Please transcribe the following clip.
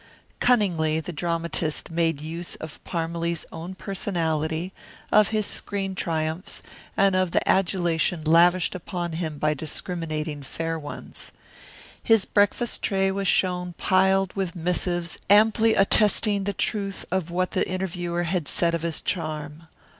Cunningly the dramatist made use of Parmalee's own personality, of his screen triumphs, and of the adulation lavished upon him by discriminating fair ones. His breakfast tray was shown piled with missives amply attesting the truth of what the interviewer had said of his charm.